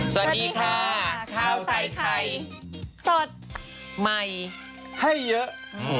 สวัสดีค่ะข้าวใส่ไข่สดใหม่ให้เยอะ